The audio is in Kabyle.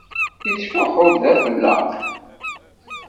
Yettfuḥu-d d afelleq.